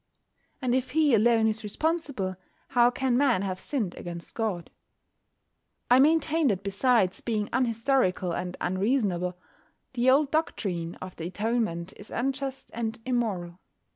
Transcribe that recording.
And if He alone is responsible, how can Man have sinned against God? I maintain that besides being unhistorical and unreasonable, the old doctrine of the Atonement is unjust and immoral.